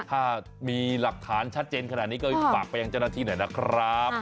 ถ้ามีหลักฐานชัดเจนขนาดนี้ก็ฝากไปยังเจ้าหน้าที่หน่อยนะครับ